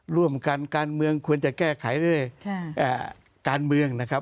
ร่วมกันการเมืองควรจะแก้ไขด้วยการเมืองนะครับ